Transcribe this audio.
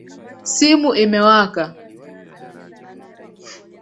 Simu imewaka